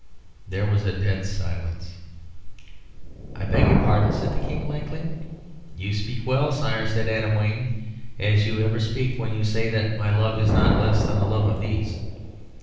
There was a dead silence. "I beg your pardon," said the King, blankly. "You speak well, sire," said Adam Wayne, "as you ever speak, when you say that my love is not less than the love of these.